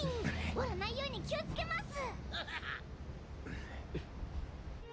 割らないように気をつけます。